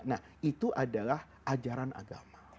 nah itu adalah ajaran agama